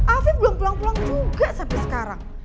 afi belum pulang pulang juga sampe sekarang